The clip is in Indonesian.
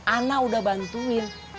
ana udah bantuin